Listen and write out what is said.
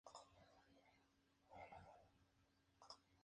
El pueblo más cercano es Menai Bridge.